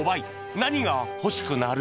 何が欲しくなる？